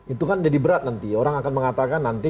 itu kan jadi berat nanti orang akan mengatakan nanti